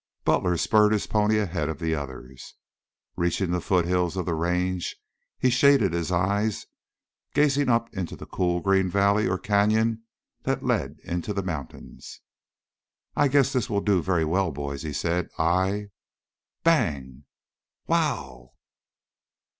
Butler spurred his pony ahead of the others. Reaching the foothills of the range he shaded his eyes, gazing up into the cool, green valley or canyon that led into the mountains. "I guess this will do very well, boys," he said. "I " Bang! "Wow!"